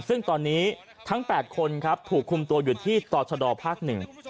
ซึ่งตอนนี้ทั้ง๘คนครับถูกคุมตัวอยู่ที่ต่อชะดอภาคหนึ่ง